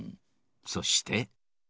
そして。